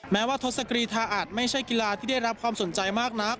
แม้ว่าทศกรีธาอาจไม่ใช่กีฬาที่ได้รับความสนใจมากนัก